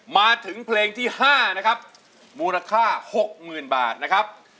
มาถึงเพลงที่๕นะครับมูลค่า๖๐๐๐บาทนะครับ